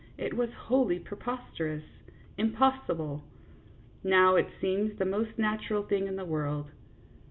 It was wholly preposterous, impossible; now it seems the most natural thing in the world.